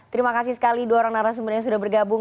terima kasih sekali dua orang narasumber yang sudah bergabung